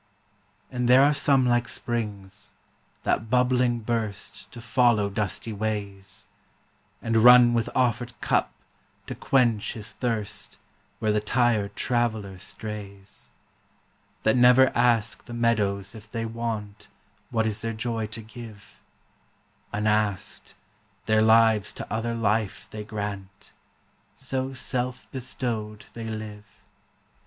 And there are some like springs, that bubbling burst To follow dusty ways, And run with offered cup to quench his thirst Where the tired traveller strays; That never ask the meadows if they want What is their joy to give; Unasked, their lives to other life they grant, So self bestowed they live!